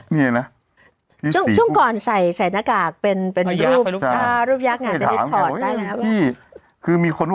นี่นะช่วงก่อนใส่ใส่นากากเป็นเป็นรูปพื้นถี่พี่คือมีคน